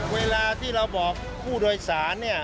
เวลาที่เราบอกผู้โดยสารเนี่ย